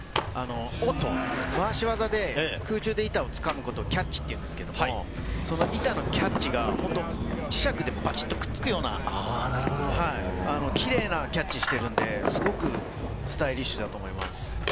まわし技で空中で板を掴むことをキャッチっていうんですけど、そのキャッチが磁石でバチッとくっつくような、綺麗なキャッチしてるんで、すごくスタイリッシュだと思います。